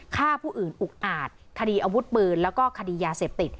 ฆ่าผู้อื่นอุกอาจคดีอาวุธปืนแล้วก็คดียาเสพติด